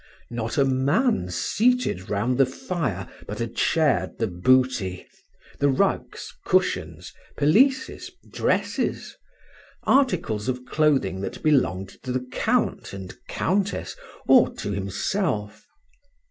Not a man seated round the fire but had shared the booty, the rugs, cushions, pelisses, dresses, articles of clothing that belonged to the Count and Countess or to himself.